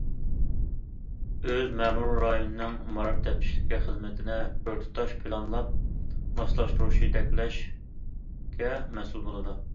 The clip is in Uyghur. ئۆز مەمۇرىي رايونىنىڭ مائارىپ تەپتىشلىكى خىزمىتىنى بىر تۇتاش پىلانلاپ ماسلاشتۇرۇش، يېتەكلەشكە مەسئۇل بولىدۇ.